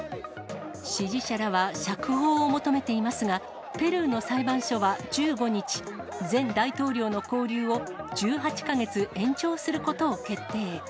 支持者らは釈放を求めていますが、ペルーの裁判所は１５日、前大統領の勾留を１８か月延長することを決定。